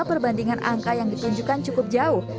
perbandingan angka yang ditunjukkan cukup jauh